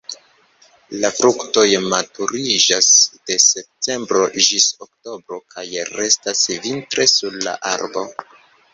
La fruktoj maturiĝas de septembro ĝis oktobro kaj restas vintre sur la arbo.